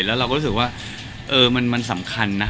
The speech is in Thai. แล้วเราก็รู้สึกว่ามันสำคัญนะ